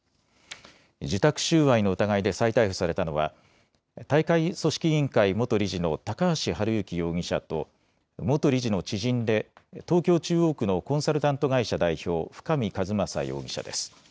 受託収賄の疑いで、再逮捕されたのは、大会組織委員会元理事の高橋治之容疑者と、元理事の知人で、東京・中央区のコンサルタント会社代表、深見和政容疑者です。